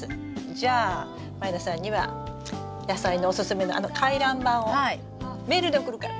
じゃあ満里奈さんには野菜のおすすめのあの回覧板をメールで送るから。